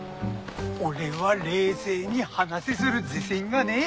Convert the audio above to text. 俺は冷静に話する自信がねえ！